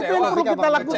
itu yang perlu kita lakukan